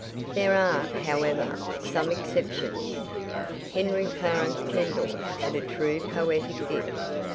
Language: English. There are, however, some exceptions. Henry Clarence Kendall had a true poetic gift.